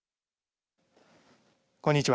こんにちは。